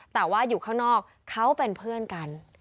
แต่ว่าอยู่ข้างนอกเขาเป็นเพื่อนกัน